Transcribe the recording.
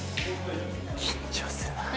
緊張するな。